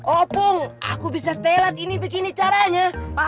opung aku bisa telat ini begini caranya